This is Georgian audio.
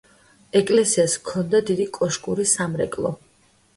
ეკლესიას ჰქონდა დიდი კოშკური სამრეკლო.